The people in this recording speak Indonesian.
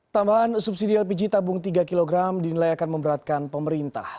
tambahan subsidi lpg tabung tiga kg dinilai akan memberatkan pemerintah